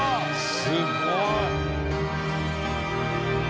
すごい。